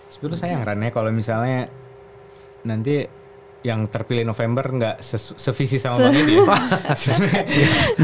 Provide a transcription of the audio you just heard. sebetulnya saya heran ya kalau misalnya nanti yang terpilih november gak se visi sama pak medi ya pak